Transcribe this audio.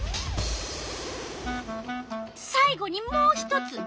さい後にもう一つ。